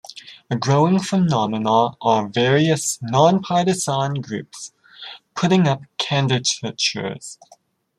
A growing phenomena are various "non-partisan" groups putting up candidatures.